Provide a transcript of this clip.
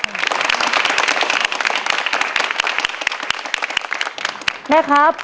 สุดท้ายแล้วครับ